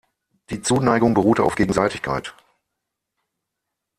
Die Zuneigung beruhte auf Gegenseitigkeit.